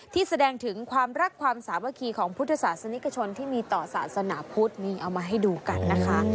แสดงถึงความรักความสามัคคีของพุทธศาสนิกชนที่มีต่อศาสนาพุทธนี่เอามาให้ดูกันนะคะ